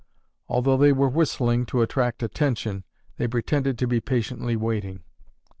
Although they were whistling, to attract attention, they pretended to be patiently waiting.